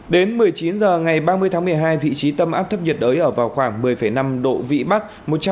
đến một mươi chín h ngày ba mươi tháng một mươi hai vị trí tâm áp thấp nhiệt đới ở vào khoảng một mươi năm độ vĩ bắc